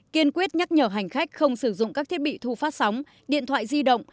kiên quyết nhắc nhở hành khách không sử dụng các thiết bị thu phát sóng điện thoại di động